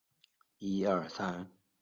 汤之里站松前线的铁路站。